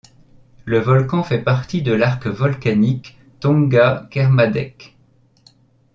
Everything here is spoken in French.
Le volcan fait partie de l'arc volcanique Tonga-Kermadec.